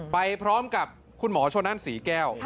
ไปพร้อมกับคุณหมอชนนั่นศรีแก้ว